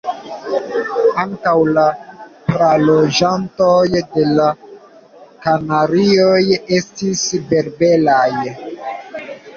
Ankaŭ la praloĝantoj de la Kanarioj estis berberaj.